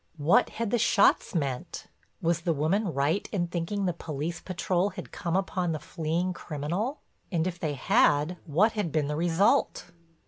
What had the shots meant? Was the woman right in thinking the police patrol had come upon the fleeing criminal? And if they had what had been the result?